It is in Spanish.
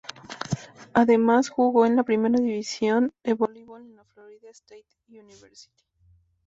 Además jugó en la Primera División de volleyball en la Florida State University.